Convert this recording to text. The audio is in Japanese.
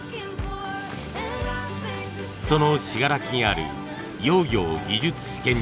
その信楽にある窯業技術試験場。